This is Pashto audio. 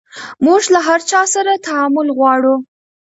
موژ له هر چا سره تعامل غواړو